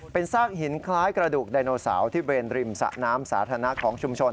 เป็นซากหินคล้ายกระดูกไดโนเสาร์ที่เวรริมสะน้ำสาธารณะของชุมชน